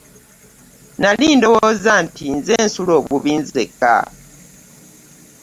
Nali ndowooze nti nze nsula obubi nzekka.